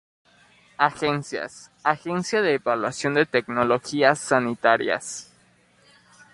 Agencias: Agencia de Evaluación de Tecnologías Sanitarias.